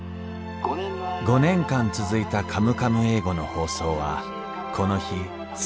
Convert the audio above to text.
５年間続いた「カムカム英語」の放送はこの日最後となりました